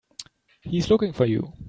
He's looking for you.